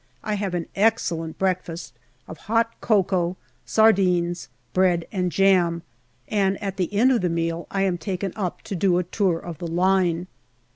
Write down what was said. I have an excellent breakfast of hot cocoa, sardines, bread and jam, and at the end of the meal I am taken up to do a tour of the line.